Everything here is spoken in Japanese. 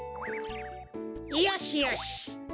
よしよし。